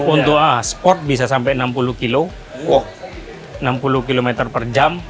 untuk sport bisa sampai enam puluh km per jam